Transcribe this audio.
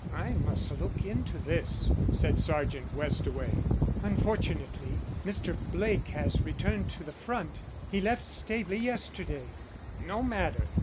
"I must look into this," said Sergeant Westaway. "Unfortunately Mr. Blake has returned to the front. He left Staveley yesterday." "No matter.